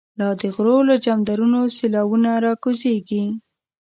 لا دغرو له جمدرونو، سیلاوونه ر ا کوزیږی